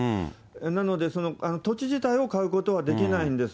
なので、土地自体を買うことはできないんです。